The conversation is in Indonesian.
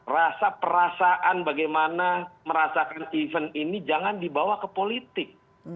rasa perasaan bagaimana merasakan event ini jangan dibawa ke politik